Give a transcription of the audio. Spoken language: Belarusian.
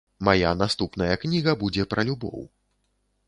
Мая наступная кніга будзе пра любоў.